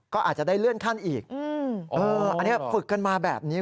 ก็อาจจะได้เลื่อนขั้นอีกอันนี้ฝึกกันมาแบบนี้